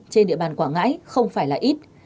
trên địa bàn quảng ngãi không phải là ít